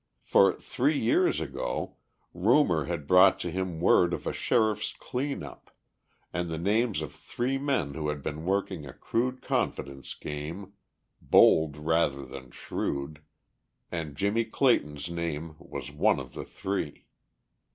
For, three years ago, rumour had brought to him word of a sheriff's clean up, and the names of three men who had been working a crude confidence game, bold rather than shrewd, and Jimmie Clayton's name was one of the three.